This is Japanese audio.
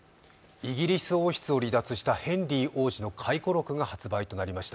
イギリス王室を離脱したヘンリー王子の回顧録が発売となりました。